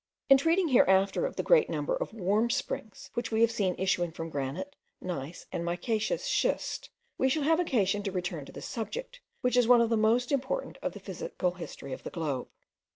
In treating hereafter of the great number of warm springs which we have seen issuing from granite, gneiss, and micaceous schist, we shall have occasion to return to this subject, which is one of the most important of the physical history of the globe.